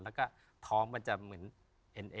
แล้วก็ท้องมันจะเหมือนเอ็นหน่อยครับ